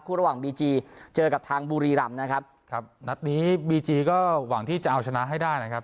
ระหว่างบีจีเจอกับทางบุรีรำนะครับครับนัดนี้บีจีก็หวังที่จะเอาชนะให้ได้นะครับ